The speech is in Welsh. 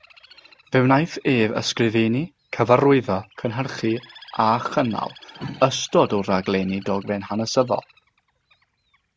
Fe wnaeth ef ysgrifennu, cyfarwyddo, cynhyrchu a chynnal ystod o raglenni dogfen hanesyddol.